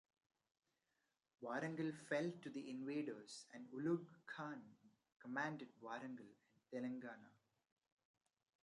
Warangal fell to the invaders and Ulugh Khan commanded Warangal and Telangana.